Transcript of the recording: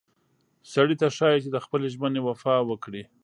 سړي ته ښایي چې د خپلې ژمنې وفا وکړي.